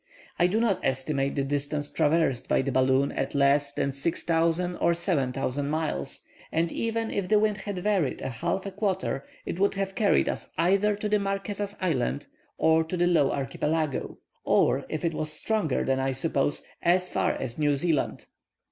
I do not estimate the distance traversed by the balloon at less than 6,000 or 7,000 miles, and even if the wind had varied a half a quarter it would have carried us either to the Marquesas Islands or to the Low Archipelago; or, if it was stronger than I suppose, as far as New Zealand.